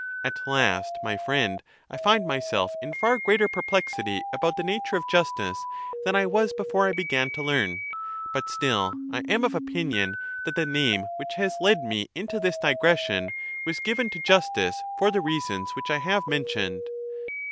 At last, my friend, I find myself in far greater perplexity about the nature of justice than I was before I began to learn. But still I am of opinion that the name, which has led me into this digression, was given to justice for the reasons which I have mentioned.